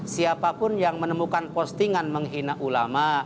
siapapun yang menemukan postingan menghina ulama